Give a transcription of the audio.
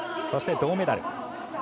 そして銅メダル